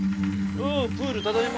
おぉプールただいま。